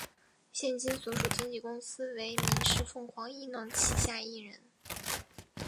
现今所属经纪公司为民视凤凰艺能旗下艺人。